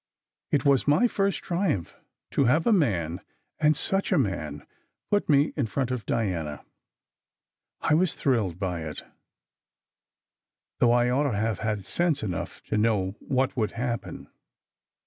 It was my first triumph to have a man and such a man put me in front of Diana. I was thrilled by it, though I ought to have had sense enough to know what would happen.